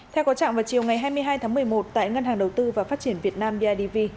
theo có trạng vào chiều ngày hai mươi hai tháng một mươi một tại ngân hàng đầu tư và phát triển việt nam bidv